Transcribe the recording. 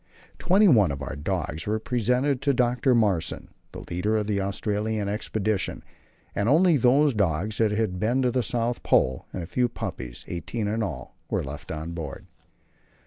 Twenty one of our dogs were presented to Dr. Mawson, the leader of the Australian expedition, and only those dogs that had been to the South Pole and a few puppies, eighteen in all, were left on board.